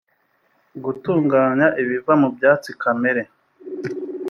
gutunganya ibiva mu byatsi kamere